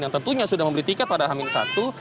yang tentunya sudah membeli tiket pada hamin satu